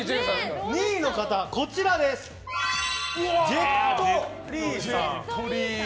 ２位の方はジェット・リーさん。